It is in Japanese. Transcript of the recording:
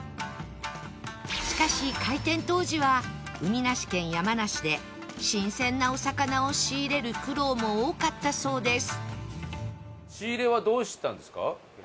しかし開店当時は海なし県山梨で新鮮なお魚を仕入れる苦労も多かったそうです